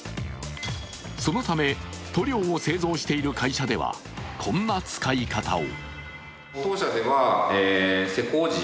そのため塗料を製造している会社ではこんな使い方を。